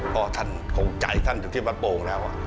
เพราะท่านโขงใจท่านจนที่มัดโปรงแล้ว